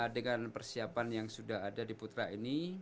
dengan persiapan yang sudah ada di putra ini